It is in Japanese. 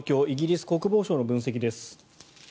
イギリス国防省の分析です。